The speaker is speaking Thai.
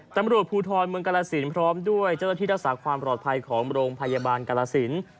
ตำรวจภูทรเมืองกราศิลป์พร้อมด้วยเจ้าที่ทักษะความปลอดภัยของโรงพยาบาลกราศิลป์